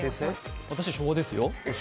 私は昭和ですよ。